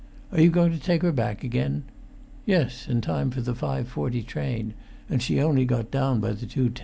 "And are you going to take her back again?" "Yes, in time for the 5.40 train; and she only got down by the 2.10."